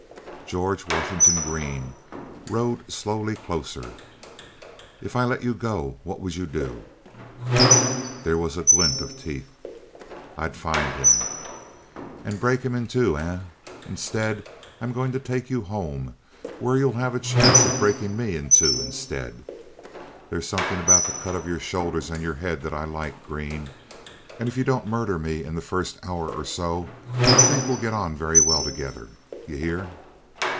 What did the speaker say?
George Washington Green rode slowly closer. "If I let you go what would you do?" There was a glint of teeth. "I'd find him." "And break him in two, eh? Instead, I'm going to take you home, where you'll have a chance of breaking me in two instead. There's something about the cut of your shoulders and your head that I like, Green; and if you don't murder me in the first hour or so, I think we'll get on very well together. You hear?"